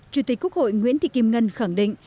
chủ tịch quốc hội nguyễn thị kim ngân khẳng định